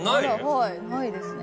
はいないですね。